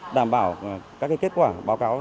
đảm bảo các kết quả báo cáo